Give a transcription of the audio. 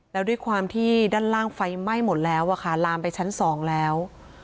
แล้วด้วยความที่ด้านล่างไฟไหม้หมดแล้วอะค่ะลามไปชั้น๒แล้ว